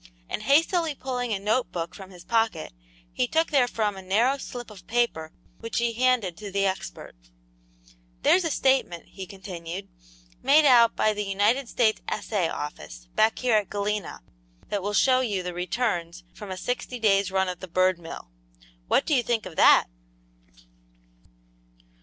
And hastily pulling a note book from his pocket, he took therefrom a narrow slip of paper which he handed to the expert. "There's a statement," he continued, "made out by the United States Assay Office, back here at Galena, that will show you the returns from a sixty days' run at the Bird mill; what do you think of that?"